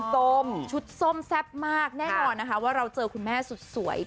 ส้มชุดส้มแซ่บมากแน่นอนนะคะว่าเราเจอคุณแม่สุดสวย